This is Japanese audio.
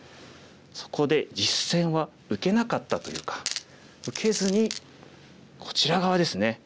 そこで実戦は受けなかったというか受けずにこちら側ですね。